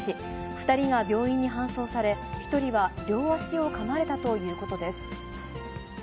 ２人が病院に搬送され、１人は両足をかまれたということです。